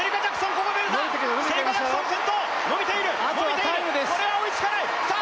ここで出たシェリカ・ジャクソン先頭のびているのびているこれは追いつかないさあ